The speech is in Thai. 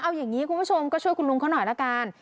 เอาอย่างนี้คุณผู้ชมก็ช่วยคุณลุงเขาหน่อยละกัน